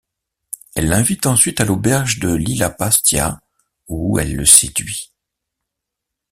Elle l'invite ensuite à l'auberge de Lillas Pastia où elle le séduit.